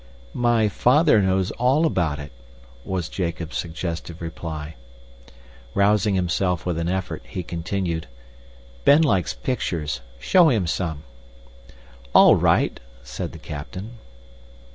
"My father knows all about it" was Jacob's suggestive reply. Rousing himself with an effort, he continued, "Ben likes pictures. Show him some." "All right," said the captain.